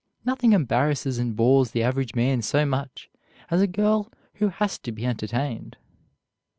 Nothing embarrasses and bores the average man so much as a girl who has to be entertained."